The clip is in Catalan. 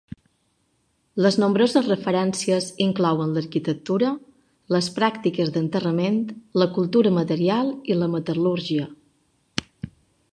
Les nombroses referències inclouen l'arquitectura, les pràctiques d'enterrament, la cultura material i la metal·lúrgia.